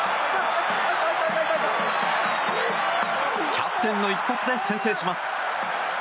キャプテンの一発で先制します。